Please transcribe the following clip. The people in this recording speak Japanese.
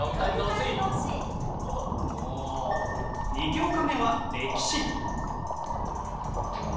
２教科目は歴史。